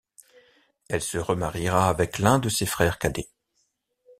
Elle se remariera avec l'un de ses frères cadets.